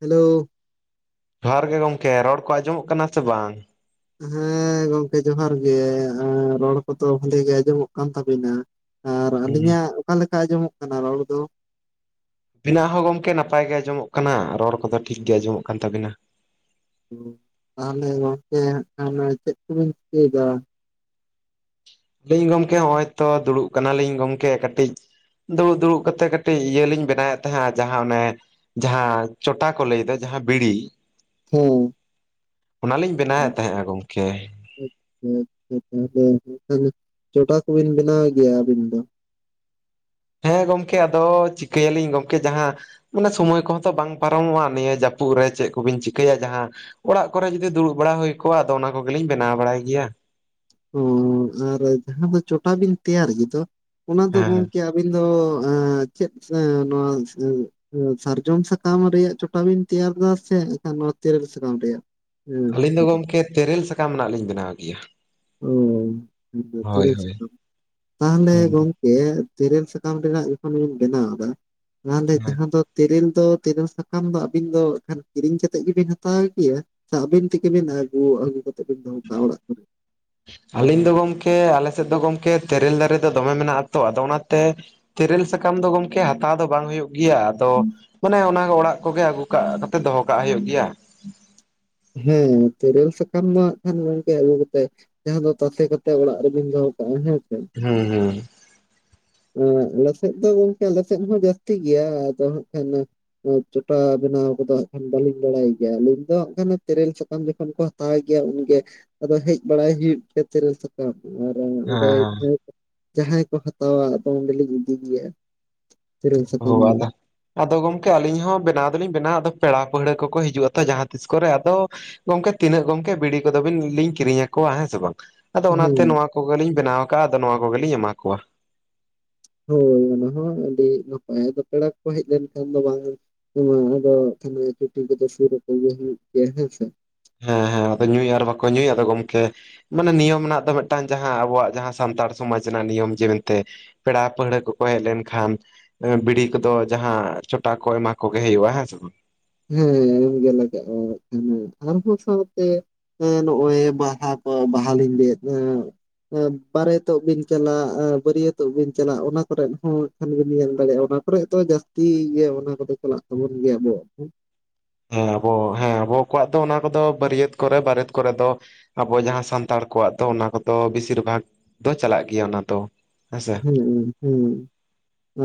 Hello. ᱡᱚᱦᱟᱨ ᱜᱮ ᱜᱚᱝᱠᱮᱨᱚᱲ ᱠᱚ ᱟᱸᱡᱚᱢᱚᱜ ᱠᱟᱱᱟ ᱥᱮ ᱵᱟᱝ? ᱦᱮᱸ ᱜᱚᱝᱠᱮ ᱡᱚᱦᱟᱨ ᱜᱮ ᱨᱚᱲ ᱠᱚᱫᱚ ᱵᱷᱟᱹᱞᱤ ᱜᱮ ᱟᱸᱡᱚᱢᱚᱜ ᱠᱟᱱ ᱛᱟᱵᱤᱱᱟ᱾ ᱟᱨ ᱦᱩᱸ ᱟᱹᱞᱤᱧᱟᱜ ᱚᱠᱟᱞᱮᱠᱟ ᱟᱸᱡᱚᱢᱚᱜ ᱠᱟᱱᱟ ᱨᱚᱲ ᱫᱚ? ᱵᱮᱱᱟᱜ ᱦᱚᱸ ᱜᱚᱝᱠᱮ ᱱᱟᱯᱟᱭ ᱜᱮ ᱟᱸᱡᱚᱢᱚᱜ ᱠᱟᱱᱟ ᱨᱚᱲ ᱠᱚᱫᱚ ᱴᱷᱤᱠᱜᱮ ᱟᱸᱡᱚᱢᱚᱜ ᱠᱟᱱ ᱛᱟᱵᱤᱱᱟ᱾ ᱛᱟᱦᱟᱞᱮ ᱜᱚᱝᱠᱮ ᱦᱟᱸᱜ ᱠᱷᱟᱱ ᱪᱮᱫ ᱠᱚᱵᱤᱱ ᱪᱤᱠᱟᱹᱭᱮᱫᱟ? ᱟᱞᱤᱧ ᱜᱚᱝᱠᱮ ᱦᱚᱜ-ᱚᱭ ᱛᱚ ᱫᱩᱲᱩᱵ ᱠᱟᱱᱟᱞᱤᱧ ᱜᱚᱝᱠᱮ ᱠᱟᱹᱴᱤᱡ᱾ ᱫᱩᱲᱩᱵ ᱫᱩᱲᱩᱵ ᱠᱟᱛᱮᱜ ᱠᱟᱹᱴᱤᱡ ᱤᱭᱟᱹ ᱞᱤᱧ ᱵᱮᱱᱟᱣᱮᱫ ᱛᱟᱦᱮᱸᱡ ᱟ ᱡᱟᱦᱟᱸ ᱚᱱᱮ ᱡᱟᱦᱟᱸ ᱪᱚᱴᱟ ᱠᱚ ᱞᱮᱭ ᱫᱟ ᱡᱟᱦᱟᱸ ᱵᱤᱲᱤ᱾ ᱦᱩᱸ᱾ ᱚᱱᱟᱞᱤᱧ ᱵᱮᱱᱟᱣᱮᱫ ᱛᱟᱦᱮᱸᱜᱼᱟ ᱜᱚᱝᱠᱮ᱾ ᱦᱮᱸ ᱟᱪᱷᱟ ᱟᱪᱷᱟ [inaudible] ᱪᱚᱴᱟ ᱠᱚᱵᱮᱱ ᱵᱮᱱᱟᱣ ᱜᱮᱭᱟ ᱟᱹᱵᱮᱱ ᱫᱚ? ᱦᱮᱸ ᱜᱚᱝᱠᱮ ᱟᱫᱚ ᱪᱤᱠᱟᱹᱭᱟᱞᱤᱧ ᱜᱚᱝᱠᱮ ᱡᱟᱦᱟᱸ ᱢᱟᱱᱮ ᱥᱚᱢᱚᱭ ᱠᱚᱦᱚᱸ ᱛᱚ ᱵᱟᱝ ᱯᱟᱨᱚᱢᱚᱜᱼᱟ ᱱᱤᱭᱟᱹ ᱡᱟᱹᱯᱩᱫ ᱨᱮ ᱪᱮᱜ ᱠᱚᱵᱤᱱ ᱪᱤᱠᱟᱹᱭᱟ ᱡᱟᱦᱟᱸ ᱚᱲᱟᱜ ᱠᱚᱨᱮ ᱡᱩᱫᱤ ᱫᱩᱲᱩᱵ ᱵᱟᱲᱟ ᱦᱩᱭ ᱠᱚᱜ-ᱟ ᱟᱫᱚ ᱚᱱᱟ ᱠᱚᱜᱮᱞᱤᱧ ᱵᱮᱱᱟᱣ ᱵᱟᱲᱟᱭ ᱜᱮᱭᱟ᱾ ᱦᱩᱸ ᱟᱨ ᱡᱟᱦᱟᱸ ᱫᱚ ᱪᱚᱴᱟᱵᱤᱱ ᱛᱮᱭᱟᱨ ᱜᱮ ᱫᱚ᱾ ᱚᱱᱟ ᱫᱚ ᱦᱮᱸ᱾ ᱜᱚᱝᱠᱮ ᱟᱼᱼ ᱟᱹᱵᱤᱱ ᱫᱚ ᱮᱸ ᱪᱮᱫ ᱥᱮᱸ ᱱᱚᱣᱟ ᱥᱮᱸ ᱥᱟᱨᱡᱚᱢ ᱥᱟᱠᱟᱢ ᱨᱮᱭᱟᱜ ᱪᱚᱴᱟ ᱵᱮᱱ ᱛᱮᱭᱟᱨ ᱫᱟ ᱥᱮ ᱮᱱᱠᱷᱟᱱ ᱱᱚᱣᱟ ᱛᱮᱨᱮᱞ ᱥᱟᱠᱟᱢ ᱨᱮᱭᱟᱜ? ᱦᱮᱸ ᱟᱹᱞᱤᱧ ᱫᱚ ᱪᱚᱴᱟ ᱜᱚᱢᱠᱮ ᱛᱮᱨᱮᱞ ᱥᱟᱠᱟᱢ ᱨᱮᱱᱟᱜ ᱞᱤᱧ ᱵᱮᱱᱟᱣ ᱜᱮᱭᱟ᱾ ᱚ ᱟᱵᱤᱱ ᱫᱚ ᱦᱳᱭ ᱛᱮᱨᱮᱞ ᱦᱳᱭ ᱥᱟᱠᱟᱢ᱾ ᱛᱟᱦᱟᱞᱮ ᱦᱮᱸ ᱜᱚᱢᱼᱼ ᱠᱮ ᱛᱮᱨᱮᱞ ᱥᱟᱠᱟᱢ ᱨᱮᱱᱟᱜ ᱡᱚᱠᱷᱚᱱᱵᱮᱱ ᱵᱮᱱᱟᱣ ᱫᱟ ᱚᱱᱟᱫᱮ ᱦᱮᱸ ᱡᱟᱦᱟᱸ ᱫᱚ ᱛᱮᱨᱮᱞ ᱫᱚ ᱛᱮᱨᱮᱞ ᱥᱟᱠᱟᱢ ᱫᱚ ᱟᱵᱤᱱ ᱫᱚ ᱮᱠᱷᱟᱱ ᱠᱤᱨᱤᱧ ᱠᱟᱛᱮᱜ ᱜᱮᱵᱤᱱ ᱦᱟᱛᱟᱣ ᱜᱮᱭᱟ? ᱛᱟ ᱟᱹᱵᱤᱱ ᱛᱮᱜᱮ ᱵᱤᱱ ᱟᱹᱜᱩ ᱟᱹᱜᱩ ᱠᱟᱛᱮᱫ ᱵᱤᱱ ᱫᱚᱦᱚ ᱠᱟᱜᱼᱟ ᱚᱲᱟᱜ ᱠᱚᱨᱮ? ᱟᱞᱤᱧ ᱫᱚ ᱜᱚᱢᱠᱮ ᱟᱞᱮ ᱥᱮᱫ ᱫᱚ ᱜᱚᱝᱠᱮ ᱛᱮᱨᱮᱞ ᱫᱟᱨᱮ ᱫᱚ ᱫᱚᱢᱮ ᱢᱮᱱᱟᱜ ᱟ ᱛᱚ ᱟᱫᱚ ᱚᱱᱟᱛᱮ, ᱛᱮᱨᱮᱞ ᱥᱟᱠᱟᱢ ᱫᱚ ᱜᱚᱝᱠᱮ ᱦᱟᱛᱟᱣ ᱫᱚ ᱵᱟᱝ ᱦᱩᱭᱩᱜ ᱜᱮᱭᱟ ᱟᱫᱚ᱾ ᱢᱟᱱᱮ ᱚᱱᱟ ᱚᱲᱟᱜ ᱠᱚᱜᱮ ᱟᱹᱜᱩ ᱠᱟᱜ ᱠᱟᱛᱮ ᱫᱚᱦᱚ ᱠᱟᱜ ᱦᱩᱭᱩᱜ ᱜᱮᱭᱟ᱾ ᱦᱮᱸ ᱛᱤᱨᱮᱞ ᱥᱟᱠᱟᱢ ᱫᱚ ᱦᱟᱸᱜ ᱠᱷᱟᱱ ᱜᱚᱝᱠᱮ ᱟᱹᱜᱩ ᱠᱟᱛᱮ, ᱡᱟᱦᱟᱸ ᱫᱚ ᱛᱟᱥᱮ ᱠᱟᱛᱮ ᱚᱲᱟᱜ ᱨᱮᱵᱤᱱ ᱫᱚᱦᱚ ᱠᱟᱜᱼᱟ ᱦᱮᱸᱥᱮ᱾ ᱦᱮᱸ ᱦᱮᱸ᱾ ᱟ ᱟᱞᱮᱥᱮᱫ ᱫᱚ ᱜᱚᱝᱠᱮ ᱟᱞᱮᱥᱮᱫ ᱦᱚᱸ ᱡᱟᱹᱥᱛᱤ ᱜᱮᱭᱟ ᱟᱫᱚ ᱦᱟᱸᱜ ᱠᱷᱟᱱ ᱮᱸ ᱪᱚᱴᱟ ᱵᱮᱱᱟᱣ ᱠᱚᱫᱚ ᱦᱟᱸᱜ ᱠᱷᱟᱱ ᱵᱟᱹᱞᱤᱧ ᱵᱟᱲᱟᱭ ᱜᱮᱭᱟ ᱟᱹᱞᱤᱧ ᱫᱚ ᱦᱟᱸᱜ ᱠᱷᱟᱱ ᱛᱮᱨᱮᱞ ᱥᱟᱠᱟᱟᱢ ᱡᱚᱠᱷᱚᱱ ᱠᱚ ᱦᱟᱛᱟᱣ ᱜᱮᱭᱟ ᱩᱱᱜᱮ, ᱟᱫᱚ ᱦᱮᱡ ᱵᱟᱲᱟᱭ ᱦᱩᱭᱩᱜ ᱜᱮᱭᱟ ᱛᱮᱨᱮᱞ ᱥᱟᱠᱼᱼ [inaudible] ᱟᱨ ᱦᱮᱸ ᱚᱸᱰᱮ ᱦᱮᱸ ᱡᱟᱦᱟᱸᱭ ᱠᱚ ᱦᱟᱛᱟᱣᱟ ᱟᱫᱚ ᱚᱸᱰᱮᱞᱤᱧ ᱤᱫᱤᱭ ᱜᱮᱭᱟ᱾ ᱛᱮᱨᱮᱞ ᱦᱳ ᱥᱟᱠᱟᱢ ᱫᱚ ᱟᱫᱚ ᱟᱫᱚ ᱜᱚᱝᱠᱮ ᱟᱹᱞᱤᱧ ᱦᱚᱸ ᱵᱮᱱᱟᱣ ᱫᱚᱞᱤᱧ ᱵᱮᱱᱟᱣᱟ ᱟᱫᱚ ᱯᱮᱲᱟ ᱯᱟᱹᱦᱲᱟᱹ ᱠᱚᱠᱚ ᱦᱤᱡᱩᱜ ᱟᱛᱚ ᱡᱟᱦᱟᱸ ᱛᱤᱥ ᱠᱚᱨᱮ ᱟᱫᱚ ᱜᱚᱝᱠᱮ ᱛᱤᱱᱟᱹᱜ ᱜᱚᱝᱠᱮ ᱵᱤᱲᱤ ᱠᱚᱫᱚ ᱵᱤᱱ ᱞᱤᱧ ᱠᱤᱨᱤᱧ ᱟᱠᱚᱣᱟ ᱦᱮᱸ ᱥᱮ ᱵᱟᱝ᱾ ᱟᱫᱚ ᱦᱮᱸ ᱚᱱᱟᱛᱮ ᱱᱚᱣᱟ ᱠᱚᱜᱮᱞᱤᱧ ᱵᱮᱱᱟᱣ ᱟᱠᱟᱜᱼᱟ ᱟᱫᱚ ᱱᱚᱣᱟ ᱠᱚᱜᱮᱞᱤᱧ ᱮᱢᱟ ᱠᱚᱣᱟ᱾ ᱦᱳᱭ ᱚᱱᱟ ᱦᱚᱸ ᱟᱹᱰᱤ ᱱᱟᱯᱟᱭ ᱟᱫᱚ ᱯᱮᱲᱟ ᱠᱚ ᱦᱮᱡ ᱞᱮᱱᱠᱷᱟᱱ ᱫᱚ ᱵᱟᱝ ᱱᱚᱣᱟ ᱟᱫᱚ ᱛᱷᱟᱞᱮ ᱪᱩᱴᱤ ᱠᱚᱫᱚ ᱥᱩᱨ ᱟᱠᱚ ᱜᱮ ᱦᱩᱭᱩᱜ ᱜᱮᱭᱟ ᱦᱮᱸ ᱥᱮ᱾ ᱦᱮᱸ ᱦᱮᱸ ᱟᱫᱚ ᱧᱩᱭ ᱟᱨ ᱵᱟᱠᱚ ᱧᱩᱭ ᱟᱫᱚ ᱜᱚᱝᱠᱮ ᱢᱟᱱᱮ ᱱᱤᱭᱚᱢ ᱨᱮᱱᱟᱜ ᱫᱚ ᱢᱤᱫᱴᱟᱝ ᱡᱟᱦᱟᱸ ᱟᱵᱚᱣᱟᱜ ᱡᱟᱦᱟᱸ ᱥᱟᱱᱛᱟᱲ ᱥᱚᱢᱟᱡᱽ ᱨᱮᱱᱟᱜ ᱱᱤᱭᱚᱢ ᱡᱮ ᱢᱮᱱᱛᱮ ᱯᱮᱲᱟ ᱯᱟᱹᱦᱲᱟᱹ ᱠᱚᱠᱚ ᱦᱮᱡ ᱞᱮᱱᱠᱷᱟᱱ ᱵᱤᱲᱤ ᱠᱚᱫᱚ ᱡᱟᱦᱟᱸ ᱪᱚᱴᱟ ᱠᱚ ᱮᱢᱟ ᱠᱚᱜᱮ ᱦᱩᱭᱩᱜᱼᱟ ᱦᱮᱸ ᱥᱮ ᱵᱟᱝ᱾ ᱦᱮᱸ ᱮᱢᱜᱮ ᱞᱟᱜᱟᱜᱼᱟ ᱮᱠᱷᱟᱱ ᱟᱨᱦᱚᱸ ᱥᱟᱶᱛᱮ ᱦᱮᱸ ᱱᱚᱜᱼᱚᱭ ᱵᱟᱦᱟ ᱠᱚ ᱵᱟᱦᱟᱞᱤᱧ ᱞᱟᱹᱭᱮᱫ ᱮ ᱵᱟᱨᱮ ᱛᱚᱜ ᱵᱤᱱ ᱪᱟᱞᱟᱜ ᱵᱟᱹᱨᱭᱟᱹᱛᱚᱜ ᱵᱤᱱ ᱪᱟᱞᱟᱜ ᱚᱱᱟ ᱠᱚᱨᱮᱫ ᱦᱚᱸ ᱠᱷᱟᱱ ᱜᱮᱢ ᱧᱮᱞ ᱫᱟᱲᱮᱭᱟᱜᱼᱟ ᱚᱱᱟ ᱠᱚᱨᱮ ᱛᱚ ᱡᱟᱹᱥᱛᱤ ᱜᱮ ᱚᱱᱟ ᱠᱚᱫᱚ ᱪᱟᱞᱟᱜ ᱛᱟᱵᱚᱱ ᱜᱮᱭᱟ ᱟᱵᱚᱣᱟᱜ ᱦᱚᱸ᱾ ᱦᱮᱸ ᱟᱵᱚ ᱦᱮᱸ ᱟᱵᱚ ᱠᱚᱣᱟᱜ ᱫᱚ ᱚᱱᱟ ᱠᱚᱫᱚ ᱵᱟᱹᱨᱭᱟᱹᱛ ᱠᱚᱨᱮ ᱵᱟᱹᱨᱮᱛ ᱠᱚᱨᱮ ᱫᱚ ᱟᱵᱚ ᱡᱟᱦᱟᱸ ᱥᱟᱱᱛᱟᱲ ᱠᱚᱣᱟᱜ ᱫᱚ ᱚᱱᱟ ᱠᱚᱫᱚ ᱵᱮᱥᱤᱨ ᱵᱷᱟᱜᱽ ᱫᱚ ᱪᱟᱞᱟᱜ ᱜᱮᱭᱟ ᱚᱱᱟ ᱫᱚ᱾ ᱦᱮᱸᱥᱮ ᱦᱩᱸ ᱦᱩᱸ᱾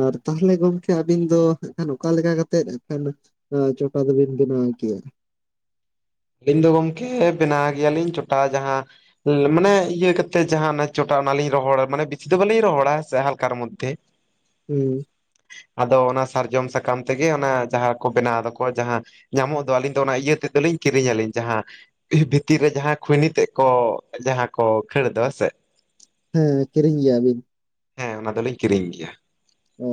ᱟᱨ ᱛᱟᱦᱚᱞᱮ ᱜᱚᱢᱠᱮ ᱟᱹᱵᱤᱱ ᱫᱚ ᱮᱠᱷᱟᱱ ᱚᱠᱟ ᱞᱮᱠᱟ ᱠᱟᱛᱮᱫ ᱮᱠᱷᱟᱱ ᱦᱟ, ᱪᱚᱴᱟ ᱫᱚᱵᱤᱱ ᱵᱮᱱᱟᱣ ᱠᱮᱭᱟ? ᱟᱹᱞᱤᱧ ᱫᱚ ᱜᱚᱝᱠᱮ ᱵᱮᱱᱟᱣ ᱜᱮᱭᱟᱞᱤᱧ ᱪᱚᱴᱟ ᱡᱟᱦᱟᱸ ᱢᱟᱱᱮ ᱤᱭᱟᱹ ᱠᱟᱛᱮᱜ ᱡᱟᱦᱟᱸ ᱪᱚᱴᱟ ᱚᱱᱟ ᱞᱤᱧ ᱨᱚᱦᱚᱲᱟ ᱢᱟᱱᱮ ᱵᱤᱥᱤ ᱫᱚ ᱵᱟᱞᱤᱧ ᱨᱚᱦᱚᱲᱟ ᱦᱮᱸᱥᱮ ᱦᱟᱞᱠᱟᱨ ᱢᱚᱫᱽᱫᱷᱮ ᱾ [inaudible] ᱦᱩᱸ! ᱟᱫᱚ ᱚᱱᱟ ᱥᱟᱨᱡᱚᱢ ᱥᱟᱠᱟᱢ ᱛᱮᱜᱮ ᱚᱱᱟ ᱡᱟᱦᱟᱸ ᱠᱚ ᱵᱮᱱᱟᱣᱫᱟᱠᱚ ᱡᱟᱦᱟᱸ ᱧᱟᱢᱚᱜ ᱫᱚ ᱟᱹᱞᱤᱧ ᱫᱚ ᱚᱱᱟ ᱤᱭᱟᱹ ᱛᱮᱫ ᱫᱚᱞᱤᱧ ᱠᱤᱨᱤᱧᱟᱹᱞᱤᱧ ᱡᱟᱦᱟᱸ ᱵᱷᱤᱛᱤᱨ ᱨᱮ ᱡᱟᱦᱟᱸ ᱠᱷᱩᱭᱱᱤ ᱛᱮᱜ ᱠᱚ ᱡᱟᱦᱟᱸ ᱠᱚ ᱠᱷᱟᱹᱲ ᱫᱚ ᱥᱮ ᱾ ᱦᱮᱸ, ᱠᱤᱨᱤᱧ ᱜᱮᱭᱟ ᱵᱤᱱ ᱾ ᱦᱮᱸ, ᱚᱱᱟ ᱫᱚᱞᱤᱧ ᱠᱤᱨᱤᱧ ᱜᱮᱭᱟ ᱾ ᱚᱻ,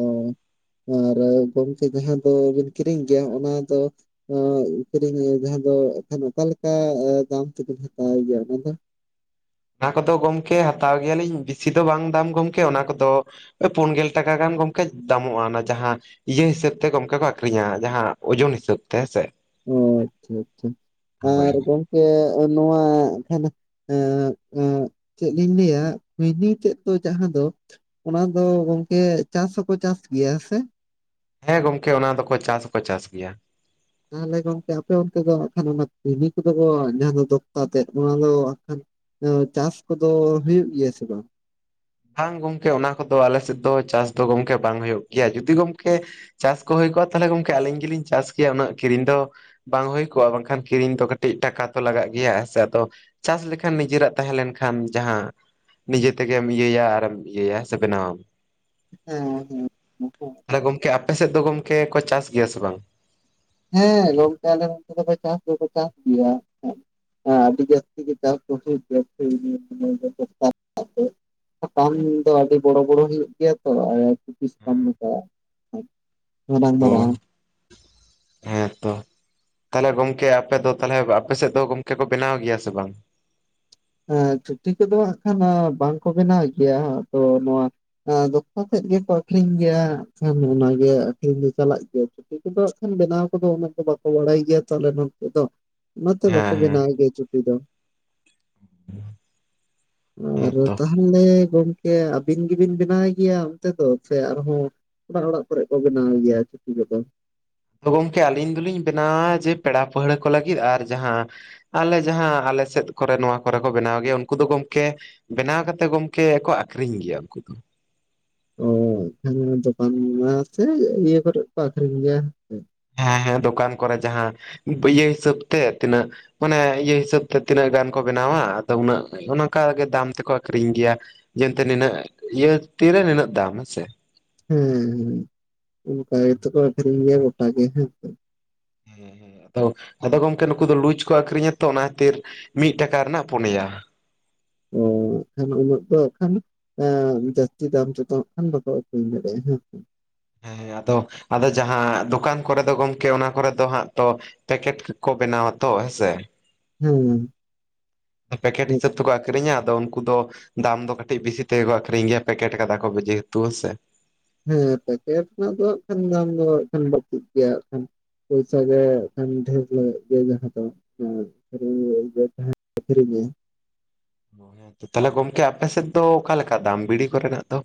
ᱟᱨ ᱜᱚᱢᱠᱮ ᱡᱟᱦᱟᱸ ᱫᱚᱵᱤᱱ ᱠᱤᱨᱤᱧ ᱜᱮᱭᱟ ᱚᱱᱟ ᱫᱚ ᱟᱹᱜ ᱠᱤᱨᱤᱧ ᱡᱟᱦᱟᱸ ᱫᱚ ᱮᱠᱷᱟᱱ ᱚᱠᱟᱞᱮᱠᱟ ᱫᱟᱢ ᱛᱮᱵᱤᱱ ᱦᱟᱛᱟᱣ ᱜᱮᱭᱟ ᱚᱱᱟ ᱫᱚ? ᱚᱱᱟ ᱠᱚᱫᱚ ᱜᱚᱢᱠᱮ ᱦᱟᱛᱟᱣ ᱜᱮᱭᱟᱞᱤᱧ ᱵᱤᱥᱤ ᱫᱚ ᱵᱟᱝ ᱫᱟᱢ ᱜᱚᱢᱠᱮ ᱚᱱᱟ ᱠᱚᱫᱚ ᱳᱭ ᱯᱳᱱ ᱜᱮᱞ ᱴᱟᱠᱟ ᱜᱟᱱ ᱜᱚᱢᱠᱮ ᱫᱟᱢᱚᱜᱼᱟ ᱚᱱᱟ ᱡᱟᱦᱟᱸ ᱤᱭᱟᱹ ᱦᱤᱥᱟᱹᱵᱽ ᱛᱮ ᱜᱚᱢᱠᱮ ᱠᱚ ᱟᱠᱷᱨᱤᱧᱟ ᱡᱟᱦᱟᱸ ᱳᱡᱳᱱ ᱦᱤᱥᱟᱹᱵ ᱛᱮ ᱦᱮᱸᱥᱮ ᱾ ᱚ, ᱟᱪᱪᱷᱟ ᱟᱪᱪᱷᱟ! ᱟᱨ ᱦᱳᱭ ᱜᱚᱝᱠᱮ ᱱᱚᱣᱟ ᱦᱟᱸᱜ ᱠᱷᱟᱱ ᱮᱸᱜ-ᱮᱸᱜ ᱪᱮᱫ ᱞᱤᱧ ᱞᱮᱭᱟ, ᱠᱷᱳᱭᱱᱤ ᱛᱮᱫ ᱫᱚ ᱡᱟᱦᱟᱸ ᱫᱚ ᱚᱱᱟ ᱫᱚ ᱜᱚᱝᱠᱮ ᱪᱟᱥ ᱦᱚᱸᱠᱚ ᱪᱟᱥ ᱜᱮᱭᱟ ᱦᱮ ᱥᱮ? ᱦᱮᱸ, ᱜᱚᱝᱠᱮ ᱚᱱᱟ ᱫᱚᱠᱚ ᱪᱟᱥ ᱦᱚᱠᱚ ᱪᱟᱥ ᱜᱮᱭᱟ ᱾ ᱛᱟᱦᱚᱞᱮ ᱜᱚᱢᱠᱮ ᱟᱯᱮ ᱚᱱᱛᱮ ᱫᱚ ᱦᱟᱜ ᱠᱷᱟᱱ ᱚᱱᱟ ᱠᱷᱳᱭᱱᱤ ᱠᱚᱫᱚ ᱠᱚ ᱡᱟᱦᱟᱸ ᱫᱚ ᱫᱚᱠᱽᱛᱟ ᱛᱮᱫ ᱚᱱᱟ ᱫᱚ ᱟ ᱠᱷᱟᱱ ᱚ ᱪᱟᱥ ᱠᱚᱫᱚ ᱦᱩᱭᱩᱜ ᱜᱮᱭᱟ ᱥᱮ ᱵᱟᱝ? ᱵᱟᱝ ᱜᱚᱝᱠᱮ ᱚᱱᱟ ᱠᱚᱫᱚ ᱟᱞᱮ ᱥᱮᱫ ᱫᱚ ᱪᱟᱥ ᱫᱚ ᱜᱚᱝᱠᱮ ᱵᱟᱝ ᱦᱩᱭᱩᱜ ᱜᱮᱭᱟ, ᱡᱩᱫᱤ ᱜᱚᱢᱠᱮ ᱪᱟᱥ ᱠᱚ ᱦᱩᱭ ᱠᱚᱜᱼᱟ ᱛᱟᱦᱚᱞᱮ ᱜᱚᱢᱠᱮ ᱟᱹᱞᱤᱧ ᱜᱤᱞᱤᱧ ᱪᱟᱥ ᱠᱮᱭᱟ ᱩᱱᱟᱹᱜ ᱠᱤᱨᱤᱧ ᱫᱚ ᱵᱟᱝ ᱦᱳᱭ ᱠᱚᱜᱼᱟ ᱵᱟᱝᱠᱷᱟᱱ ᱠᱤᱨᱤᱧ ᱫᱚ ᱠᱟᱹᱴᱤᱡ ᱴᱟᱠᱟ ᱛᱚ ᱞᱟᱜᱟᱜ ᱜᱮᱭᱟ ᱦᱮᱸ ᱥᱮ, ᱟᱫᱚ ᱪᱟᱥ ᱞᱮᱠᱷᱟᱱ ᱱᱤᱡᱮᱨᱟᱜ ᱛᱟᱦᱮᱸ ᱞᱮᱱᱠᱷᱟᱱ ᱡᱟᱦᱟᱸ ᱱᱤᱡᱮ ᱛᱮᱜᱮ ᱢᱤᱭᱟᱹᱭᱟ ᱟᱨᱮᱢ ᱤᱭᱟᱹᱭᱟ ᱥᱮ ᱵᱮᱱᱟᱣᱟᱢ ᱾ ᱦᱮᱸ ᱦᱮᱸ! ᱛᱟᱦᱞᱮ ᱜᱚᱝᱠᱮ ᱟᱯᱮ ᱥᱮᱫ ᱫᱚ ᱜᱚᱢᱠᱮ ᱠᱚ ᱪᱟᱥ ᱜᱮᱭᱟ ᱥᱮ ᱵᱟᱝ? ᱦᱮᱸ, ᱜᱚᱝᱠᱮ ᱟᱞᱮ ᱥᱮᱫ ᱫᱚᱠᱚ ᱪᱟᱥ ᱫᱚᱠᱚ ᱪᱟᱥ ᱜᱮᱭᱟ ᱾ ᱦᱮᱸ ᱟᱹᱰᱤ ᱡᱟᱹᱥᱛᱤ ᱜᱮ ᱪᱟᱥ ᱠᱚ ᱦᱩᱭᱩᱜ ᱜᱮᱭᱟ [unintelligible] ᱥᱟᱠᱟᱢ ᱫᱚ ᱟᱹᱰᱤ ᱵᱚᱲᱚ ᱵᱚᱲᱚ ᱦᱩᱭᱩᱜ ᱜᱮᱭᱟ ᱛᱚ, ᱟᱨ ᱦᱮᱸ [unintelligible] ᱢᱟᱨᱟᱝ ᱚ ᱢᱟᱨᱟᱝ ᱾ ᱦᱮᱸᱛᱚ᱾ ᱛᱟᱦᱚᱞᱮ ᱜᱚᱝᱠᱮ ᱟᱯᱮ ᱫᱚ ᱛᱟᱦᱚᱞᱮ ᱟᱯᱮ ᱥᱮᱫ ᱫᱚ ᱜᱚᱝᱠᱮ ᱠᱚ ᱵᱮᱱᱟᱣ ᱜᱮᱭᱟ ᱥᱮ ᱵᱟᱝ? ᱦᱮᱸ ᱪᱷᱩᱴᱤ ᱠᱚᱫᱚ ᱦᱟᱸᱜ ᱠᱷᱟᱱ ᱵᱟᱝᱠᱚ ᱵᱮᱱᱟᱣᱮᱜ ᱜᱮᱭᱟ ᱦᱟᱜ ᱛᱚ ᱱᱚᱣᱟ ᱮᱸ ᱫᱚᱠᱛᱟ ᱥᱮᱫ ᱜᱮᱠᱚ ᱟᱠᱷᱨᱤᱧ ᱜᱮᱭᱟ ᱦᱟᱜ ᱠᱷᱟᱱ ᱚᱱᱟᱜᱮ ᱟᱠᱷᱨᱤᱧ ᱫᱚ ᱪᱟᱞᱟᱜ ᱜᱮᱭᱟ ᱾ ᱫᱤᱠᱩ ᱫᱚ ᱦᱚᱜ ᱠᱷᱟᱱ ᱵᱮᱱᱟᱣ ᱠᱚᱫᱚ ᱩᱱᱟᱹᱜ ᱫᱚ ᱵᱟᱠᱚ ᱵᱟᱲᱟᱭ ᱜᱮᱭᱟ ᱛᱚ ᱟᱞᱮ ᱱᱚᱱᱛᱮ ᱫᱚ ᱾ ᱚᱱᱟᱛᱮ ᱵᱟᱠᱚ ᱦᱮᱸ ᱦᱮᱸ ᱵᱮᱱᱟᱣ ᱜᱮᱭᱟ ᱪᱩᱴᱤ ᱫᱚ ᱾ ᱟᱨ ᱦᱮᱸᱛᱚ ᱛᱟᱦᱚᱞᱮ ᱜᱚᱢᱠᱮ ᱟᱹᱵᱤᱱ ᱜᱤᱵᱤᱱ ᱵᱮᱱᱟᱣ ᱜᱮᱭᱟ ᱚᱱᱛᱮ ᱫᱚ ᱥᱮ ᱟᱨᱦᱚᱸ ᱵᱟᱨ ᱚᱲᱟᱜ ᱠᱚᱨᱮᱜ ᱠᱚ ᱵᱮᱱᱟᱣ ᱜᱮᱭᱟ ᱪᱩᱴᱤ ᱠᱚᱫᱚ᱾ ᱜᱚᱢᱠᱮ ᱟᱹᱞᱤᱧ ᱫᱚᱞᱤᱧ ᱵᱮᱱᱟᱣᱟ ᱡᱮ ᱯᱮᱲᱟ ᱯᱟᱹᱦᱲᱟᱹ ᱠᱚ ᱞᱟᱹᱜᱤᱫ ᱟᱨ ᱡᱟᱦᱟᱸ ᱟᱞᱮ ᱡᱟᱦᱟᱸ ᱟᱞᱮ ᱥᱮᱫ ᱠᱚᱨᱮ ᱱᱚᱣᱟ ᱠᱚᱨᱮ ᱠᱚ ᱵᱮᱱᱟᱣ ᱜᱮᱭᱟ ᱩᱱᱠᱩ ᱫᱚ ᱜᱚᱢᱠᱮ ᱵᱮᱱᱟᱣ ᱠᱟᱛᱮ ᱜᱚᱢᱠᱮ ᱟᱠᱚ ᱟᱠᱷᱨᱤᱧ ᱜᱮᱭᱟ ᱩᱱᱠᱩ ᱫᱚ ᱾ ᱚᱻ ᱮᱱᱠᱷᱟᱱ ᱫᱚᱠᱟᱱ ᱢᱟ ᱥᱮ ᱤᱭᱟᱹ ᱠᱚᱨᱮᱜ ᱠᱚ ᱟᱠᱷᱨᱤᱧ ᱜᱮᱭᱟ ᱥᱮ ᱾ ᱦᱮᱸ ᱦᱮᱸ ᱫᱚᱠᱟᱱ ᱠᱚᱨᱮ ᱡᱟᱦᱟᱸ ᱯᱟᱹᱭᱟᱹ ᱦᱤᱥᱟᱹᱵ ᱛᱮ ᱛᱤᱱᱟᱹᱜ ᱢᱟᱱᱮ ᱤᱭᱟᱹ ᱦᱤᱥᱟᱹᱵ ᱛᱮ ᱛᱤᱱᱟᱹᱜ ᱜᱟᱱ ᱠᱚ ᱵᱮᱱᱟᱣᱟ ᱟᱫᱚ ᱩᱱᱟᱹᱜ ᱚᱱᱟᱠᱟᱜᱮ ᱫᱟᱢ ᱛᱮᱠᱚ ᱟᱠᱷᱨᱤᱧ ᱜᱮᱭᱟ ᱾ ᱡᱮᱱᱛᱮ ᱱᱤᱱᱟᱹᱜ ᱤᱭᱟᱹ ᱛᱤᱨᱮ ᱱᱤᱱᱟᱹᱜ ᱫᱟᱢ ᱦᱮᱸᱥᱮ ᱾ ᱦᱮᱸ ᱦᱮ, ᱚᱱᱠᱟ ᱜᱮᱛᱚ ᱠᱚ ᱟᱠᱷᱨᱤᱧ ᱜᱮᱭᱟ ᱜᱚᱴᱟ ᱜᱮ ᱦᱮᱸ ᱥᱮ ᱾ ᱦᱮᱸ ᱦᱸ ᱟᱫᱚ ᱟᱫᱚ ᱜᱚᱝᱠᱮ ᱱᱩᱠᱩ ᱫᱚ ᱞᱩᱡ ᱠᱚ ᱟᱠᱷᱨᱤᱧᱟ ᱛᱚ ᱚᱱᱟ ᱠᱷᱟᱹᱛᱤᱨ᱾ ᱢᱤᱫ ᱴᱟᱠᱟ ᱨᱮᱱᱟᱜ ᱯᱩᱱᱭᱟ᱾ ᱚᱠᱷᱟᱱ ᱩᱱᱟᱹᱜ ᱫᱚ ᱮ ᱠᱷᱟᱱ ᱮᱸᱻ ᱡᱟᱹᱥᱛᱤ ᱫᱟᱢ ᱪᱚᱛ ᱠᱷᱟᱱ ᱵᱟᱠᱚ ᱟᱹᱨᱤᱧ ᱫᱟᱲᱮᱭᱟᱜᱼᱟ ᱦᱮᱸ ᱥᱮ᱾ ᱦᱮᱸ ᱟᱫᱚ ᱟᱫᱚ ᱡᱟᱦᱟᱸ ᱫᱚᱠᱟᱱ ᱠᱚᱨᱮ ᱫᱚ ᱜᱚᱢᱠᱮ ᱚᱱᱟ ᱠᱚᱨᱮ ᱫᱚ ᱦᱟᱸᱜ ᱛᱚ ᱯᱮᱠᱮᱴ ᱠᱚ ᱵᱮᱱᱟᱣᱟ ᱛᱚ ᱦᱮᱸᱥᱮ᱾ ᱦᱩᱸ᱾ ᱯᱮᱠᱮᱴ ᱦᱤᱥᱟᱹᱵ ᱛᱮᱠᱚ ᱟᱠᱷᱨᱤᱧᱟ ᱟᱫᱚ ᱩᱱᱠᱩ ᱫᱚ ᱫᱟᱢ ᱫᱚ ᱠᱟᱹᱴᱤᱡ ᱵᱮᱥᱤ ᱛᱮᱠᱚ ᱟᱠᱷᱨᱤᱧ ᱜᱮᱭᱟ ᱯᱮᱠᱮᱴ ᱠᱟᱫᱟ ᱠᱚ ᱡᱮᱦᱮᱛᱩ ᱦᱮᱸᱥᱮ᱾ ᱦᱮᱸ ᱯᱮᱠᱮᱴ ᱨᱮᱱᱟᱜ ᱫᱚ ᱦᱟᱸᱠᱷᱟᱱ ᱫᱟᱢ ᱫᱚ ᱦᱟᱸᱠᱷᱟᱱ ᱵᱟᱹᱲᱛᱤᱜ ᱜᱮᱭᱟ ᱦᱟᱸᱠᱷᱟᱱ ᱾ ᱯᱩᱭᱥᱟᱹ ᱜᱮ ᱠᱷᱟᱱ ᱰᱷᱮᱨ ᱧᱚᱜ ᱡᱟᱭᱜᱮ ᱦᱟᱛᱟᱣᱼᱟ᱾ [unintelligible] ᱸ ᱛᱟᱦᱞᱮ ᱜᱚᱝᱠᱮ ᱟᱯᱮ ᱥᱮᱫ ᱫᱚ ᱚᱠᱟᱞᱮ ᱞᱮᱠᱟ ᱫᱟᱢ ᱵᱤᱲᱤ ᱠᱚᱨᱮᱱᱟᱜ ᱫᱚ?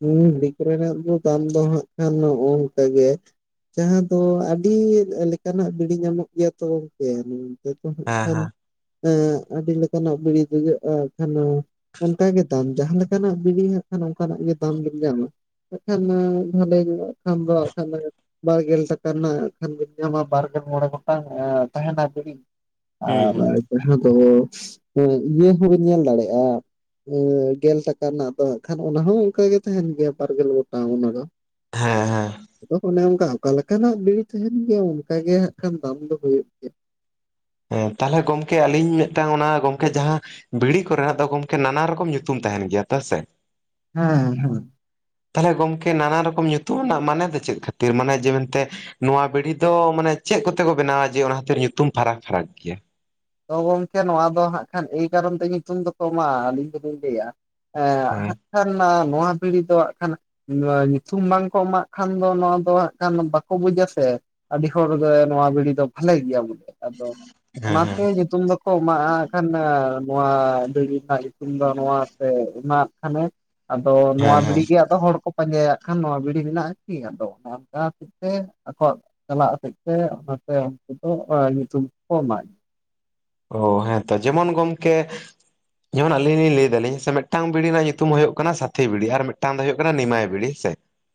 ᱦᱮᱸ ᱵᱤᱲᱤ ᱠᱚᱨᱮᱱᱟᱜ ᱫᱚ ᱫᱟᱢ ᱫᱚ ᱦᱜ ᱠᱷᱟᱱ ᱱᱚ ᱱᱚᱝᱠᱟᱜ ᱜᱮ᱾ ᱡᱟᱦᱟᱸ ᱫᱚ ᱟᱹᱰᱤ ᱞᱮᱠᱟᱱᱟᱜ ᱵᱤᱲᱤ ᱧᱟᱢᱚᱜ ᱜᱮᱭᱟ ᱛᱚ ᱜᱚᱝᱠᱮ᱾ ᱦᱜ ᱦᱮᱸ ᱠᱷᱟᱱ ᱦᱮᱸ ᱟᱹᱰᱤ ᱞᱮᱠᱟᱱᱟᱜ ᱵᱤᱲᱤ [unintelligible] ᱚᱱᱠᱟᱜᱮ ᱫᱟᱢ ᱡᱟᱦᱟᱸ ᱞᱮᱠᱟᱱᱟᱜ ᱵᱤᱲᱤ ᱦᱟᱸᱜ ᱠᱷᱟᱱ ᱚᱱᱠᱟᱱᱟᱜ ᱜᱮ ᱫᱟᱢ ᱵᱮᱱ ᱧᱟᱢᱟ᱾ ᱟᱜ ᱠᱷᱟᱱ ᱵᱷᱞᱮ ᱜᱮᱭᱟ ᱠᱷᱟᱱ ᱫᱚ ᱠᱷᱟᱱ ᱫᱚ ᱵᱟᱨᱜᱮᱞ ᱴᱟᱠᱟ ᱨᱮᱱᱟᱜ ᱠᱷᱟᱱ ᱵᱤᱱ ᱧᱟᱢᱟ ᱵᱟᱨᱜᱮᱞ ᱢᱚᱬᱮ ᱜᱚᱴᱟᱝ ᱛᱟᱦᱮᱱᱟ ᱵᱤᱲᱤ ᱾ ᱦᱩᱸ ᱟᱨ ᱦᱩᱸ ᱡᱟᱦᱟᱸ ᱫᱚ ᱤᱭᱟᱹ ᱦᱚᱸᱵᱤᱱ ᱧᱮᱞ ᱫᱟᱲᱮᱭᱟᱜᱼᱟ᱾ ᱜᱮᱞ ᱴᱟᱠᱟ ᱨᱮᱱᱟᱜ ᱫᱚ ᱦᱜ ᱠᱷᱟᱱ ᱚᱱᱟ ᱦᱚᱸ᱾ ᱚᱱᱠᱟ ᱜᱮ ᱛᱟᱦᱮᱱ ᱜᱮᱭᱟ ᱵᱟᱨᱜᱮᱞ ᱜᱚᱴᱟᱝ ᱚᱱᱟ ᱫᱚ ᱦᱮᱸ ᱦᱮᱸ ᱟᱫᱚ ᱚᱱᱮ ᱚᱱᱠᱟ ᱚᱠᱟ ᱞᱮᱠᱟᱱᱟᱜ ᱵᱮᱲᱤ ᱛᱟᱦᱮᱱ ᱜᱮᱭᱟ ᱚᱱᱠᱟ ᱜᱮ ᱦᱟᱜ ᱠᱷᱟᱱ ᱫᱟᱢ ᱫᱚ ᱦᱩᱭᱩᱜ ᱜᱮᱭᱟ᱾ ᱦᱮᱸ ᱛᱟᱦᱚᱞᱮ ᱜᱚᱢᱠᱮ ᱟᱹᱞᱤᱧ ᱢᱤᱫᱴᱟᱝ ᱚᱱᱟ ᱜᱚᱢᱠᱮ ᱡᱟᱦᱟᱸ ᱵᱤᱲᱤ ᱠᱚᱨᱮᱱᱟᱜ ᱫᱚ ᱜᱚᱢᱠᱮ ᱱᱟᱱᱟ ᱨᱚᱠᱚᱢ ᱧᱩᱛᱩᱢ ᱛᱟᱦᱮᱱ ᱜᱮᱭᱟ ᱛᱮ ᱥᱮ᱾ ᱦᱮᱸ ᱦᱮᱸ᱾ ᱛᱟᱦᱚᱞᱮ ᱜᱚᱝᱠᱮ ᱱᱟᱱᱟ ᱨᱚᱠᱚᱢ ᱧᱩᱛᱩᱢ ᱨᱮᱱᱟᱜ ᱢᱟᱱᱮ ᱫᱚ ᱪᱮᱫᱽ ᱠᱷᱟᱹᱛᱤᱨ ᱢᱟᱱᱮ ᱡᱮ ᱢᱮᱱᱛᱮ, ᱱᱚᱣᱟ ᱵᱤᱲᱦᱤ ᱫᱚ ᱢᱟᱱᱮ ᱪᱮᱜ ᱠᱚᱛᱮ ᱠᱚ ᱵᱮᱱᱟᱣᱟ ᱡᱮ ᱚᱱᱟ ᱠᱦᱟᱛᱤᱨ ᱧᱩᱛᱩᱢ ᱯᱷᱟᱨᱟᱠ- ᱯᱷᱟᱨᱟᱠ ᱜᱮᱭᱟ᱾ ᱛᱚ ᱜᱚᱝᱠᱮ ᱱᱚᱣᱟ ᱫᱚ ᱦᱟᱸᱜ ᱠᱷᱟᱱ ᱮᱭ ᱠᱟᱨᱚᱱ ᱛᱮ ᱧᱩᱛᱩᱢ ᱫᱚ ᱠᱚᱢᱟ ᱟᱹᱞᱤᱧ ᱫᱚᱞᱤᱧ ᱞᱟᱹᱭᱟ, ᱮᱸᱻ ᱦᱮᱸ ᱦᱟᱜ ᱠᱷᱟᱱ ᱱᱚᱣᱟ ᱯᱤᱲᱦᱤ ᱫᱚ ᱦᱟᱸᱜ ᱠᱷᱟᱱ, ᱱᱚᱣᱟ ᱧᱩᱛᱩᱢ ᱵᱟᱝᱠᱚ ᱮᱢᱟᱜ ᱠᱷᱟᱱ ᱫᱚ ᱱᱚᱣᱟ ᱫᱚ ᱦᱟᱸᱜ ᱠᱷᱟᱱ ᱵᱟᱠᱚ ᱵᱩᱡᱽ ᱟᱥᱮ, ᱟᱹᱰᱤ ᱦᱚᱲ ᱜᱮ ᱱᱚᱣᱟ ᱵᱤᱲᱤ ᱫᱚ ᱵᱷᱟᱞᱮ ᱜᱮᱭᱟ ᱵᱚᱞᱮ ᱟᱫᱚ, ᱦᱮᱸ-ᱦᱮᱸ᱾ ᱦᱮ ᱧᱩᱛᱩᱢ ᱫᱚᱠᱚ ᱮᱢᱟᱜᱼᱟ ᱠᱷᱟᱱ ᱱᱚᱣᱟ ᱵᱤᱲᱤ ᱨᱮᱱᱟᱜ ᱧᱩᱛᱩᱢ ᱫᱚ ᱱᱚᱣᱟ ᱥᱮ ᱚᱱᱟ᱾ ᱠᱷᱟᱱᱮ ᱟᱫᱚ ᱱᱚᱣᱟ ᱦᱮᱸ ᱦᱮᱸ ᱵᱤᱲᱤ ᱜᱮ ᱟᱫᱚ ᱦᱚᱲ ᱠᱚ ᱯᱟᱸᱡᱟᱭᱟᱜ ᱠᱷᱟᱱ ᱱᱚᱣᱟ ᱵᱤᱲᱤ ᱢᱮᱱᱟᱜᱼᱟ ᱠᱤ ᱟᱫᱚ ᱚᱱᱟ ᱚᱱᱠᱟ ᱦᱚᱛᱮᱫ ᱛᱮ ᱟᱠᱚᱣᱟᱜ, ᱪᱟᱞᱟᱜ ᱦᱚᱛᱮᱫ ᱛᱮ ᱚᱱᱟᱛᱮ ᱩᱱᱠᱩ ᱫᱚ ᱚᱱᱟ ᱧᱩᱛᱩᱢ ᱠᱚ ᱮᱢᱟᱭᱟ᱾ ᱚ ᱦᱮᱸᱛᱚ ᱡᱮᱢᱚᱱ ᱜᱚᱢᱠᱮ, ᱡᱮᱢᱚᱱ ᱟᱹᱞᱤᱧ ᱞᱤᱧ ᱞᱟᱹᱭ ᱮᱫᱟᱞᱤᱧ ᱡᱮ ᱢᱤᱫᱟᱝ ᱵᱤᱲᱤ ᱨᱮᱱᱟᱜ ᱧᱩᱛᱩᱢ ᱦᱩᱭᱩᱜ ᱠᱟᱱᱟ ᱥᱟᱛᱷᱤ ᱵᱤᱲᱤ ᱟᱨ ᱢᱤᱫᱴᱟᱝ ᱫᱚ ᱦᱩᱭᱩᱜ ᱠᱟᱱᱟ ᱱᱤᱢᱟᱭ ᱵᱤᱲᱤ᱾ ᱥᱮ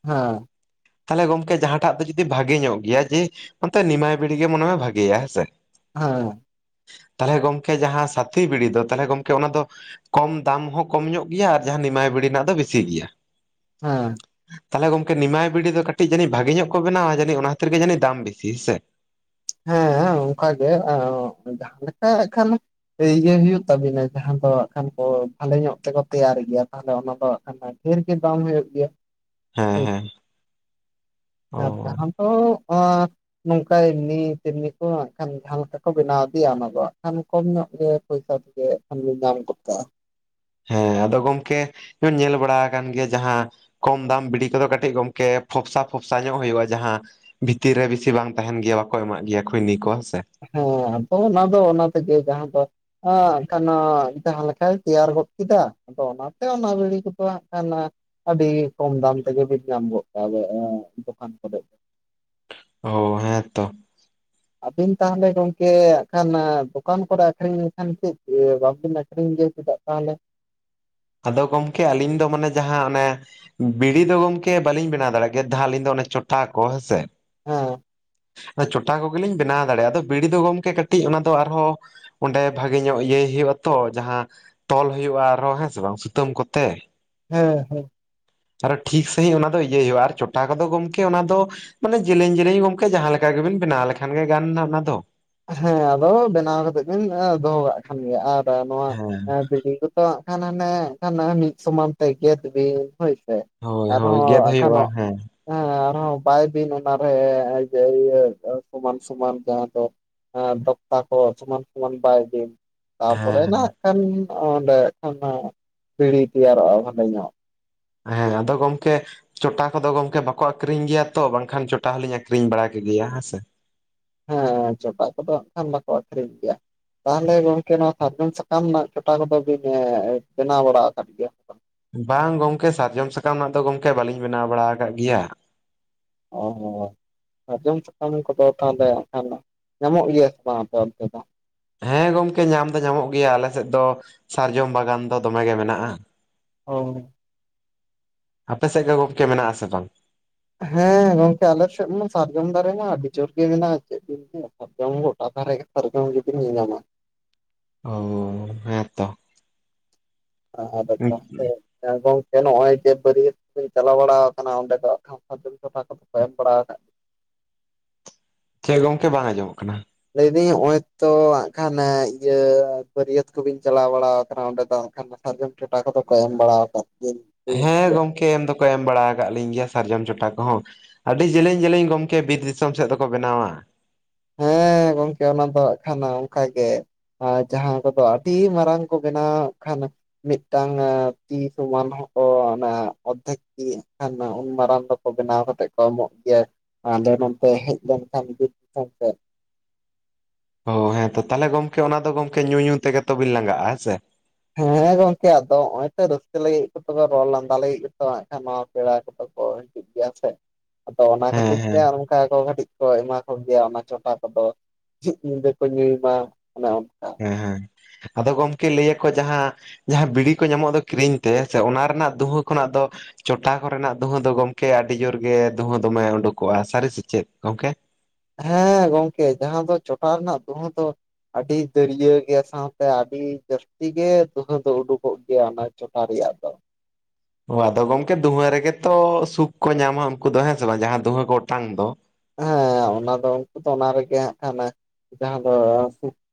ᱦᱮᱸ᱾ ᱛᱟᱦᱚᱞᱮ ᱜᱚᱝᱠᱮ ᱡᱟᱦᱟᱸᱴᱟᱜ ᱫᱚ ᱡᱩᱫᱤ ᱵᱷᱟᱜᱮ ᱧᱚᱜ ᱜᱮᱭᱟ ᱡᱮ, ᱚᱱᱛᱮ ᱱᱤᱢᱟᱭ ᱯᱤᱲᱤ ᱜᱮ ᱢᱚᱱᱮ ᱢᱮ ᱵᱷᱟᱜᱮᱭᱟ ᱦᱮᱸ ᱥᱮ᱾ ᱦᱮᱸ ᱛᱟᱦᱚᱞᱮ ᱜᱚᱢᱠᱮ ᱡᱟᱦᱟᱸ ᱥᱟᱛᱷᱤ ᱵᱤᱲᱤ ᱫᱚ ᱛᱟᱦᱚᱞᱮ ᱜᱚᱢᱠᱮ ᱚᱱᱟ ᱫᱚ, ᱠᱚᱢ ᱫᱟᱢ ᱦᱚᱸ ᱠᱚᱢ ᱧᱚᱜ ᱜᱮᱭᱟ ᱟᱨ ᱡᱟᱦᱟᱸ ᱱᱤᱢᱟᱭ ᱵᱤᱲᱤ ᱨᱮᱱᱟᱜ ᱫᱚ ᱵᱮᱥᱤ ᱜᱮᱭᱟ᱾ ᱦᱮᱸ᱾ ᱛᱟᱦᱚᱞᱮ ᱜᱚᱝᱠᱮ ᱱᱤᱢᱟᱭ ᱵᱤᱰᱤ ᱫᱚ ᱠᱟᱹᱴᱤᱡ ᱡᱟᱱᱤᱡᱽ ᱵᱷᱟᱜᱤ ᱧᱚᱜ ᱠᱚ ᱵᱮᱱᱟᱣᱟ ᱡᱟᱱᱤᱡᱽ ᱚᱱᱟ ᱠᱷᱟᱛᱤᱨ ᱜᱮ ᱡᱟᱹᱱᱤᱡᱽ ᱫᱟᱢ ᱵᱮᱥᱤ ᱦᱮᱸ ᱥᱮ᱾ ᱦᱮᱸ-ᱦᱮᱸ ᱚᱱᱠᱟᱜᱮ ᱡᱟᱦᱟ ᱞᱮᱠᱟ ᱮ ᱠᱷᱟᱱ, ᱡᱮ ᱤᱭᱟᱹ ᱦᱩᱭᱩᱜ ᱛᱟᱵᱤᱱᱟ ᱡᱟᱦᱟ ᱫᱚ ᱠᱷᱟᱱ ᱠᱚ ᱵᱷᱟᱞᱮ ᱧᱚᱜ ᱛᱮᱠᱚ ᱛᱮᱭᱟᱨ ᱜᱤᱭᱟ ᱛᱟᱦᱟᱞᱮ ᱚᱱᱟ ᱫᱚ ᱠᱷᱟᱱ ᱫᱚ, ᱰᱦᱮᱨᱜᱮ ᱫᱟᱢ ᱦᱩᱭᱩᱜ ᱜᱮᱭᱟ᱾ ᱦᱮᱸ-ᱦᱮᱸ᱾ [unintelligible] ᱟᱫᱚ [inaudible] ᱱᱚᱝᱠᱟᱭ ᱞᱤ ᱛᱮᱢᱱᱤ ᱛᱚ ᱦᱟᱸᱜ ᱠᱦᱟᱱ ᱡᱟᱦᱟᱸ ᱞᱮᱠᱟ ᱠᱚ ᱵᱮᱱᱟᱣ ᱤᱫᱤᱭᱟ ᱚᱱᱟ ᱫᱚ ᱦᱟᱸᱜ ᱠᱷᱟᱱ ᱠᱚᱢ ᱧᱚᱜ ᱜᱮ ᱯᱚᱭᱥᱟ ᱛᱮᱜᱮ᱾ ᱠᱦᱟᱱ ᱫᱚ ᱫᱟᱢ ᱜᱚᱫᱽ ᱠᱟᱜ-ᱟ᱾ ᱦᱮᱸ ᱟᱫᱚ ᱜᱚᱢᱠᱮ ᱡᱮᱢᱚᱱ ᱧᱮᱞ ᱵᱟᱲᱟ ᱟᱠᱟᱱ ᱜᱮᱭᱟ ᱡᱟᱦᱟᱸ, ᱠᱚᱢ ᱫᱟᱢ ᱵᱤᱰᱤ ᱠᱚᱫᱚ ᱠᱟᱹᱴᱤᱡᱽ ᱜᱚᱝᱠᱮ ᱯᱷᱚᱯᱥᱟ-ᱯᱷᱚᱯᱥᱟ ᱧᱚᱜ ᱦᱳᱭᱳᱜᱼᱟ ᱡᱟᱦᱟᱸ, ᱵᱷᱤᱛᱤᱨ ᱨᱮ ᱵᱤᱥᱤ ᱵᱟᱝ ᱛᱟᱦᱮᱱ ᱜᱤᱭᱟ ᱵᱟᱠᱚ ᱮᱢᱟᱜ ᱜᱤᱭᱟ ᱠᱷᱚᱭᱱᱤ ᱠᱚ ᱦᱮᱸ ᱥᱮ᱾ ᱦᱮᱸ ᱟᱫᱚ ᱚᱱᱟ ᱫᱚ ᱚᱱᱟ ᱛᱮᱜᱮ ᱡᱟᱦᱟᱸ ᱫᱚ, ᱦᱮᱸ ᱮᱱᱠᱷᱟᱱ ᱡᱟᱦᱟᱸ ᱞᱮᱠᱟᱭ ᱛᱮᱭᱟᱨ ᱜᱚᱫ ᱠᱮᱫᱟ, ᱟᱫᱚ ᱚᱱᱟ ᱛᱮ ᱚᱱᱟ ᱵᱤᱲᱤ ᱠᱚᱫᱚ ᱦᱟᱸᱜ ᱠᱦᱟᱱ ᱟᱹᱰᱤ ᱠᱚᱢ ᱫᱟᱢ ᱛᱮᱜᱮᱵᱤᱱ ᱧᱟᱹᱢ ᱜᱚᱫ ᱠᱟᱜ-ᱟ ᱫᱚ, ᱫᱚᱠᱟᱱ ᱠᱚᱨᱮᱜ᱾ ᱦᱚᱭ᱾ ᱦᱮᱸ ᱛᱚ᱾ ᱟᱹᱵᱤᱱ ᱛᱟᱦᱟᱞᱮ ᱜᱚᱝᱠᱮ ᱟᱠᱷᱟᱱ ᱫᱚᱠᱟᱱ ᱠᱚᱨᱮ ᱟᱹᱠᱷᱨᱤᱧ ᱞᱮᱠᱷᱟᱱ ᱪᱮᱫᱽ ᱵᱟᱵᱤᱱ ᱟ ᱠᱦᱨᱥᱤᱧ ᱜᱮᱭᱟ ᱪᱮᱫᱟᱜ ᱛᱟᱦᱚᱞᱮ᱾ ᱟᱫᱚ ᱜᱚᱢᱠᱮ ᱟᱹᱞᱤᱧ ᱫᱚ ᱢᱟᱱᱮ ᱡᱟᱦᱟᱸ ᱚᱱᱮ, ᱵᱤᱲᱤ ᱫᱚ ᱜᱚᱝᱠᱮ ᱵᱟᱹᱞᱤᱧ ᱵᱮᱱᱟᱣ ᱫᱟᱲᱮᱭᱟᱜ ᱜᱮᱭᱟ ᱡᱟᱦᱟᱸ ᱟᱹᱞᱤᱧ ᱫᱚ ᱚᱱᱮ ᱪᱚᱴᱷᱟ ᱠᱚ ᱦᱮᱸᱥᱮ᱾ ᱦᱮᱸ ᱟᱫᱚ ᱪᱚᱴᱷᱟ ᱠᱚᱜᱮᱞᱤᱧ ᱵᱮᱱᱟᱣ ᱫᱟᱲᱮᱭᱟᱜᱼᱟ ᱟᱫᱚ ᱵᱤᱲᱤ ᱫᱚ ᱜᱚᱝᱠᱮ ᱠᱟᱹᱴᱤᱡᱽ ᱚᱱᱟ ᱫᱚ ᱟᱨᱦᱚᱸ, ᱚᱸᱰᱮ ᱵᱷᱟᱜᱮ ᱧᱚᱜ ᱤᱭᱟᱹᱭ ᱦᱳᱭᱳᱜ ᱟᱛᱚ, ᱡᱟᱦᱟᱸ ᱛᱚᱞ ᱦᱳᱭᱳᱜᱼᱟ ᱟᱨᱦᱚᱸ ᱦᱮᱸ ᱥᱮ ᱵᱟᱝ, ᱥᱩᱛᱟᱹᱢ ᱠᱚᱛᱮ ᱦᱮᱸ, ᱦᱮᱸ ᱟᱨᱚ ᱴᱷᱤᱠ ᱥᱟᱺᱦᱤᱡ ᱚᱱᱟ ᱫᱚ ᱤᱭᱟᱹᱭ ᱦᱳᱭᱳᱜᱼᱟ, ᱟᱨ ᱪᱚᱴᱷᱟ ᱠᱚᱫᱚ ᱜᱚᱝᱠᱮ ᱚᱱᱟ ᱫᱚ ᱢᱟᱱᱮ ᱡᱮᱞᱮᱧ ᱡᱮᱞᱮᱧ ᱜᱚᱝᱠᱮ ᱡᱟᱦᱟᱸ ᱞᱮᱠᱟ ᱜᱮᱵᱮᱱ ᱵᱮᱱᱟᱣ ᱞᱮᱠᱷᱟᱱ ᱜᱮ ᱜᱟᱱ ᱱᱟ ᱚᱱᱟ ᱫᱚ᱾ ᱦᱮᱸ ᱟᱫᱚ ᱵᱮᱱᱟᱣ ᱠᱟᱛᱮᱜ ᱵᱮᱱ ᱫᱚᱦᱚ ᱠᱟᱜ ᱠᱷᱟᱱ ᱜᱮ, ᱟᱨ ᱱᱚᱣᱟ ᱦᱮᱸ ᱵᱤᱲᱤ ᱠᱚ ᱫᱚ ᱛᱚ ᱦᱟᱜ ᱠᱷᱟᱱ ᱦᱟᱱᱮ, ᱠᱷᱟᱱ ᱢᱤᱫ ᱥᱚᱢᱟᱱ ᱛᱮ ᱜᱮᱫ ᱵᱤᱱ ᱦᱳᱭᱥᱮ, ᱦᱳᱭ ᱦᱳᱭ, ᱜᱮᱫ ᱦᱳᱭᱳᱟᱜᱼᱟ ᱦᱮᱸ᱾ ᱦᱮᱸ ᱟᱨᱦᱚ ᱵᱟᱭ ᱵᱤᱱ ᱚᱱᱟᱨᱮ ᱤᱭᱟᱹ ᱤᱭᱟᱹ, ᱥᱚᱢᱟᱱ ᱥᱚᱢᱟᱱ ᱡᱟᱦᱟ ᱫᱚ ᱫᱚᱠᱛᱟ ᱠᱚ ᱥᱚᱢᱟᱱ ᱥᱚᱢᱟᱱ ᱵᱟᱭ ᱵᱤᱱ, ᱛᱟᱯᱚᱨᱮ ᱦᱮᱸ ᱱᱟ ᱠᱷᱟᱱ ᱚᱸᱰᱮ ᱠᱷᱚᱱᱟᱜ ᱵᱤᱲᱤ ᱛᱮᱭᱟᱨᱚᱜᱼᱟ ᱵᱷᱟᱞᱮ ᱧᱚᱜ᱾ ᱦᱮᱸ, ᱟᱫᱚ ᱜᱚᱢᱠᱮ ᱪᱚᱴᱟ ᱠᱚᱫᱚ ᱜᱚᱝᱠᱮ ᱵᱟᱠᱚ ᱟᱠᱷᱨᱤᱧ ᱜᱤᱭᱟ ᱛᱚ, ᱵᱟᱝᱠᱷᱟᱱ ᱪᱚᱴᱟ ᱦᱚᱞᱤᱧ ᱟᱠᱷᱨᱤᱧ ᱵᱟᱲᱟ ᱠᱮᱜᱤᱭᱟ ᱦᱮᱸ ᱥᱮ᱾ ᱦᱮᱸ, ᱪᱚᱴᱟᱜ ᱠᱚᱫᱚ ᱦᱟᱜ ᱠᱷᱟᱱ ᱵᱟᱠᱚ ᱟᱠᱷᱨᱤᱧ ᱜᱮᱭᱟ᱾ ᱛᱟᱦᱚᱞᱮ ᱜᱚᱝᱠᱮ ᱱᱚᱣᱟ ᱥᱟᱨᱡᱚᱢ ᱥᱟᱠᱟᱢ ᱨᱮᱱᱟᱜ ᱪᱴᱟ ᱠᱚᱫᱚ ᱵᱤᱱ, ᱮ ᱵᱮᱱᱟᱣ ᱵᱟᱲᱟ ᱠᱟᱫ ᱜᱮᱭᱟ ᱛᱚ? ᱵᱟᱝ ᱜᱚᱝᱠᱮ, ᱥᱟᱨᱡᱚᱢ ᱥᱟᱠᱟᱢ ᱨᱮᱱᱟᱜ ᱫᱚ ᱜᱚᱝᱠᱮ, ᱵᱟᱹᱞᱤᱧ ᱵᱮᱱᱟᱣ ᱵᱟᱲᱟ ᱠᱟᱜ ᱜᱤᱭᱟ᱾ [unintelligible] ᱥᱟᱨᱡᱚᱢ ᱥᱟᱠᱟᱢ ᱠᱚ ᱫᱚ ᱛᱟᱦᱟ ᱞᱮ ᱦᱟᱜ ᱠᱷᱟᱱ, ᱧᱟᱢᱚᱜ ᱜᱤᱭᱟ ᱥᱮ ᱵᱟᱝ ᱟᱯᱮ ᱚᱱᱛᱮ ᱫᱚ? ᱦᱮᱸ ᱜᱚᱝᱠᱮ ᱧᱟᱢ ᱫᱚ ᱧᱟᱢᱚᱜ ᱜᱮᱭᱟ, ᱟᱞᱮ ᱥᱮᱫ ᱫᱚ ᱥᱟᱨᱡᱚᱢ ᱵᱟᱜᱟᱱ ᱫᱚ ᱫᱚᱢᱮ ᱜᱮ ᱢᱮᱱᱟᱜᱼᱟ᱾ ᱚᱻ ᱟᱯᱮ ᱥᱮᱫ ᱜᱮ ᱜᱚᱢᱠᱮ ᱢᱮᱱᱟᱜ ᱟᱥᱮ ᱵᱟᱝ? ᱦᱮᱸ ᱜᱚᱝᱠᱮ ᱟᱞᱮ ᱥᱮᱫ ᱢᱟ ᱥᱟᱨᱡᱚᱢ ᱫᱟᱨᱮ ᱢᱟ ᱟᱹᱰᱤ ᱡᱳᱨ ᱜᱮ ᱢᱮᱱᱟᱜᱼᱟ, ᱪᱮᱫ ᱵᱤᱱ ᱞᱮᱭᱟ ᱥᱟᱨᱡᱚᱢ ᱜᱚᱴᱟ ᱫᱷᱟᱨᱮ ᱜᱮ ᱥᱟᱨᱡᱚᱢ ᱜᱮᱵᱤᱱ ᱧᱮᱞᱧᱟᱢᱟ ᱾ ᱚᱻ ᱦᱮᱸ ᱦᱮᱸ ᱛᱚ, ᱟᱫ ᱜᱚᱝᱠᱮ ᱮ ᱜᱚᱝᱠᱮ ᱱᱚᱜ ᱚᱭ ᱡᱮ ᱵᱟᱹᱨᱭᱟᱹᱛ ᱞᱤᱧ ᱪᱟᱞᱟᱣ ᱵᱟᱲᱟ ᱟᱠᱟᱱᱟ ᱚᱱᱰᱮ ᱫᱚ ᱟᱠᱷᱚᱱ᱾ [unintelligible] ᱴᱟᱠᱟ ᱫᱚ ᱠᱚ ᱮᱢ ᱵᱟᱲᱟ ᱟᱠᱟᱫ ᱪᱮᱫ ᱜᱚᱝᱠᱮ ᱵᱟᱝ ᱟᱸᱡᱚᱢᱚᱜ ᱠᱟᱱᱟ᱾ ᱞᱟᱹᱭᱫᱟᱹᱧ ᱱᱚᱜᱼᱚᱭ ᱛᱚ ᱦᱟᱸᱜ ᱠᱷᱟᱱ, ᱤᱭᱟᱹ ᱵᱟᱹᱨᱭᱟᱹᱛ ᱠᱚᱵᱤᱱ ᱪᱟᱞᱟᱣ ᱵᱟᱲᱟ ᱠᱟᱱᱟ, ᱚᱸᱰᱮ ᱫᱚ ᱦᱟᱸᱜ ᱠᱷᱟᱱ ᱥᱟᱨᱡᱚᱢ ᱪᱚᱴᱟ ᱠᱚᱫᱚ ᱮᱢ ᱟᱠᱟᱫ ᱜᱮᱭᱟ? ᱦᱮᱸ ᱜᱮᱭᱟ ᱜᱚᱢᱠᱮ, ᱮᱢ ᱫᱚᱠᱚ ᱮᱢ ᱵᱟᱲᱟ ᱟᱠᱟᱫ ᱞᱤᱧ ᱜᱮᱭᱟ ᱥᱟᱨᱡᱚᱢ ᱪᱚᱴᱟ ᱠᱚᱦᱚᱸ, ᱟᱹᱰᱤ ᱡᱮᱞᱮᱧ ᱡᱮᱞᱮᱧ ᱜᱚᱢᱠᱮ, ᱵᱤᱨ ᱫᱤᱥᱚᱢ ᱥᱮᱫ ᱫᱚᱠᱚ ᱵᱮᱱᱟᱣᱟ᱾ ᱦᱮᱸ ᱜᱚᱝᱠᱮ, ᱚᱱᱟ ᱫᱚ ᱦᱟᱜ ᱠᱷᱟᱱᱟ ᱚᱱᱠᱟ ᱜᱮ, ᱟᱨ ᱡᱟᱦᱟᱸ ᱠᱚᱫᱚ ᱟᱹᱰᱤ ᱢᱟᱨᱟᱝ ᱠᱚ ᱵᱮᱱᱟᱣ ᱦᱟ ᱠᱷᱟᱱ, ᱢᱤᱫᱴᱟᱝ ᱛᱤ ᱥᱚᱢᱟᱱ ᱦᱚᱸᱠᱚ ᱚᱱᱟ, ᱚᱨᱫᱷᱮᱠ ᱛᱤ ᱠᱷᱟᱱ ᱩᱱ ᱢᱟᱨᱟᱝ ᱫᱚᱠᱚ ᱵᱮᱱᱟᱣ ᱠᱟᱛᱮᱫ ᱠᱚ ᱮᱢᱚᱜ ᱜᱮᱭᱟ, ᱟᱞᱮ ᱱᱚᱱᱛᱮ ᱦᱮᱡ ᱞᱮᱱᱠᱷᱟᱱ ᱜᱤ [unintelligible] ᱦᱳᱭ ᱦᱮᱸ ᱛᱚ, ᱛᱟᱦᱚᱞᱮ ᱜᱚᱢᱠᱮ ᱚᱱᱟᱫᱚ ᱜᱚᱢᱠᱮ ᱧᱩ ᱧᱩ ᱛᱮᱜᱮ ᱛᱚᱵᱮ ᱞᱟᱜᱟᱜᱼᱟ ᱦᱮᱸ ᱥᱮ, ᱦᱮᱸ ᱜᱚᱝᱠᱮ ᱟᱫᱚ ᱱᱚᱜ ᱛᱚ ᱨᱟᱹᱥᱠᱟᱹ ᱞᱟᱹᱜᱤᱫ ᱨᱚᱲ ᱞᱟᱸᱫᱟ ᱞᱟᱹᱜᱤᱫ ᱜᱮᱛ ᱦᱟᱜ ᱠᱷᱟᱱ ᱱᱟᱣᱟ ᱯᱮᱲᱟ ᱠᱚᱫᱚ ᱠᱚ ᱴᱷᱤᱠ ᱜᱮᱭᱟ ᱪᱷᱮ, ᱟᱫᱚ ᱚᱱᱟ ᱦᱮᱸ ᱠᱷᱟᱹᱛᱤᱨ ᱛᱮ ᱦᱮᱸ ᱟᱨ ᱪᱠᱟ ᱠᱚ ᱠᱟᱹᱴᱤᱡ ᱠᱚ ᱮᱢᱟ ᱠᱚᱜᱮᱭᱟ ᱚᱱᱟ ᱪᱯᱷᱟ ᱠᱚᱫᱚ, ᱪᱷᱤᱜ ᱧᱤᱫᱟᱹ ᱠᱚ ᱧᱩᱭ ᱢᱟ ᱚᱱᱮ ᱚᱱᱠᱟ᱾ ᱦᱮᱸ ᱦᱮᱸ, ᱟᱫᱚ ᱜᱚᱢᱠᱮ ᱞᱟᱹᱭᱟᱠ ᱡᱟᱦᱟᱸ ᱡᱟᱦᱟᱸ ᱵᱤᱲᱤ ᱠᱚ ᱧᱟᱢᱚᱜ ᱫᱚ ᱠᱤᱨᱤᱧ ᱛᱮ, ᱥᱮ ᱚᱱᱟ ᱨᱮᱱᱟᱜ ᱫᱩᱦᱟᱹ ᱠᱷᱚᱱᱟᱜ ᱫᱚ ᱪᱚᱴᱷᱟ ᱠᱚᱨᱮᱱᱟᱜ ᱫᱩᱦᱟᱹ ᱫᱚ ᱜᱚᱢᱠᱮ ᱟᱹᱰᱤ ᱡᱳᱨ ᱜᱮ ᱫᱩᱦᱟᱹ ᱫᱚᱢᱮ ᱩᱰᱩᱠᱚᱜᱼᱟ, ᱥᱟᱹᱨᱤ ᱥᱮᱪᱮᱫ ᱜᱚᱢᱠᱮ? ᱦᱮᱸ ᱜᱚᱝᱠᱮ, ᱡᱟᱦᱟᱸ ᱫᱚ ᱪᱚᱴᱟᱣ ᱨᱮᱱᱟᱜ ᱫᱩᱸᱦᱟᱹ ᱫᱚ ᱟᱹᱰᱤ ᱩᱛᱟᱹᱨ ᱫᱟᱹᱨᱤᱭᱟᱹ ᱜᱮ ᱥᱟᱶᱛᱮ ᱟᱹᱰᱤ ᱡᱟᱹᱥᱛᱤ ᱜᱮ ᱫᱩᱦᱟᱹ ᱫᱚ ᱟᱱᱰᱳᱠᱚᱠ ᱜᱮᱭᱟ ᱚᱱᱟ ᱡᱚᱴᱷᱟ ᱨᱮᱭᱟᱜ ᱫᱚ᱾ ᱚ ᱟᱫᱚ ᱜᱚᱝᱠᱮ ᱫᱩᱦᱟᱹ ᱨᱮᱜᱮ ᱛᱚ ᱥᱩᱠ ᱠᱚ ᱧᱟᱢᱟ ᱩᱱᱠᱩ ᱫᱚ ᱦᱮᱸ ᱥᱮ ᱵᱟᱝ ᱡᱟᱦᱟᱸ ᱫᱩᱦᱟᱹ ᱠᱚ ᱚᱴᱟᱝ ᱫᱚ ᱦᱮᱸ ᱚᱱᱟ ᱫᱚ ᱩᱱᱠᱩ ᱫᱚ ᱚᱱᱟ ᱨᱮᱜᱮ ᱦᱟᱸᱜ ᱠᱟᱱᱟ ᱡᱟᱦᱟᱸ ᱫᱚ